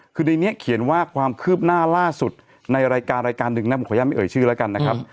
คือในนี้เขียนว่าความคืบหน้าล่าสุดในรายการรายการหนึ่งนะผมขออนุญาตไม่เอ่ยชื่อแล้วกันนะครับ